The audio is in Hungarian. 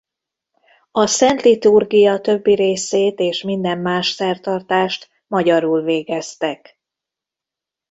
A szent liturgia többi részét és minden más szertartást magyarul végeztek.